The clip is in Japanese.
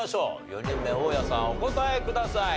４人目大家さんお答えください。